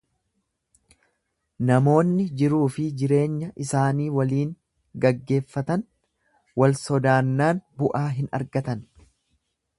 Namoonni jiruufi jireenya isaanii waliin gaggeeffatan wal sodaannaan bu'aa hin argatan.